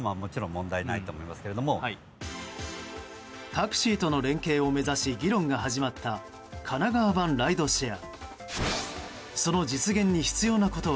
タクシーとの連携を目指し議論が始まった神奈川版ライドシェア。